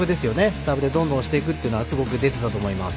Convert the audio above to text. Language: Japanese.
サーブでどんどん押していくのはすごく出てたと思います。